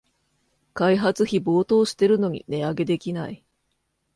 開発費暴騰してるのに値上げできない